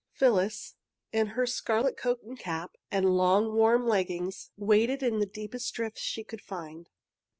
Phyllis, in her scarlet coat and cap, and long, warm leggings, waded in the deepest drifts she could find.